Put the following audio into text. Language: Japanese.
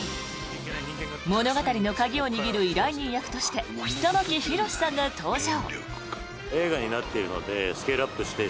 物語の鍵を握る依頼人役として玉木宏さんが登場。